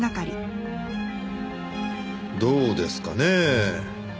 どうですかねぇ？